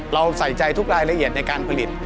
เราใส่ใจทุกรายละเอียดในการผลิต